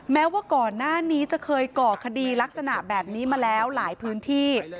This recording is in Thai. แม้ว่าก่อนหน้านี้จะเคยก่อคดีลักษณะแบบนี้มาแล้วหลายพื้นที่